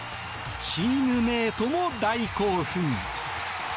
チームメートも大興奮。